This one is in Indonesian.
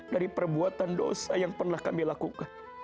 dari perbuatan dosa yang pernah kami lakukan